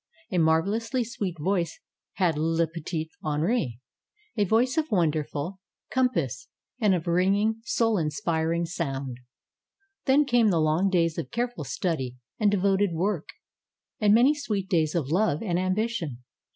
A marvelously sweet voice had le petit Henri ! A voice of wonderful compass, and of ringing soul inspiring sound. Then came the long days of careful study and de voted work. And many sweet days of love and ambi tion.